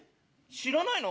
知らないの？